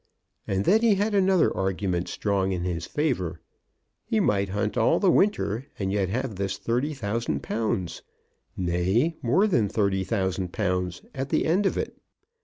And then he had another argument strong in his favour. He might hunt all the winter and yet have this thirty thousand pounds, nay, more than thirty thousand pounds at the end of it.